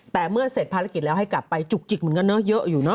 แต่เมื่อเสร็จภารกิจแล้วให้กลับไปจุกจิกเหมือนกันเนอะเยอะอยู่เนอ